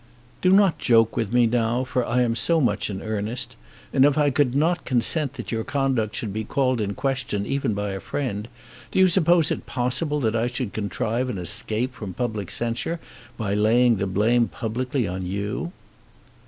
"Do not joke with me now, for I am so much in earnest! And if I could not consent that your conduct should be called in question even by a friend, do you suppose it possible that I could contrive an escape from public censure by laying the blame publicly on you?"